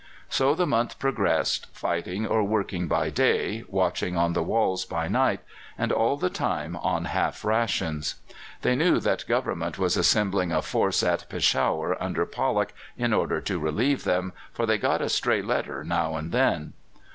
So the month progressed, fighting or working by day, watching on the walls by night, and all the time on half rations. They knew that Government was assembling a force at Peshawar under Pollock in order to relieve them, for they got a stray letter now and then.